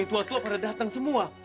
tua tua pada datang semua